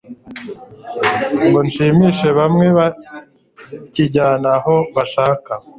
ngo nshimishe bamwe bakijyana aho bashaka